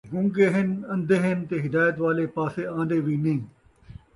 گونگے ہِن، اندھے ہِن تے ہدایت والے پَاسے آندے وِی نہیں